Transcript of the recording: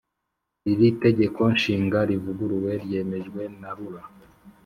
Iri Tegeko Nshinga rivuguruye ryemejwe na rura